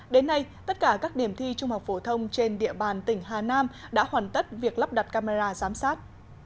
đến nay tất cả các điểm thi trung học phổ thông trên địa bàn tỉnh hà nam đã hoàn tất việc lắp đặt camera giám sát